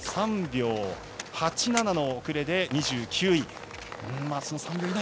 ３秒８７の遅れで２９位、安藤。